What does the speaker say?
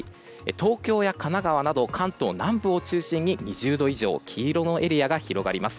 東京や神奈川など関東南部を中心に２０度以上黄色のエリアが広がります。